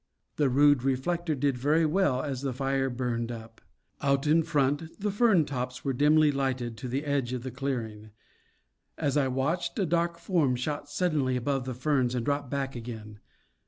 The rude reflector did very well as the fire burned up. Out in front the fern tops were dimly lighted to the edge of the clearing. As I watched, a dark form shot suddenly above the ferns and dropped back again.